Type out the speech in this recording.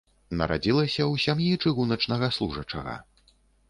Нарадзілася ў сям'і чыгуначнага служачага.